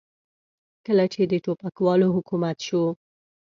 کله چې د ټوپکوالو حکومت شو.